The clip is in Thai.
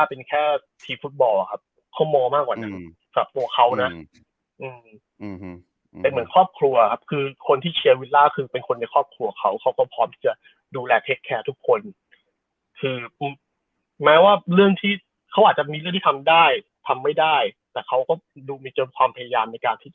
เป็นทุกอย่างครับเป็นทุกอย่างคือเขาคือดูแล้ว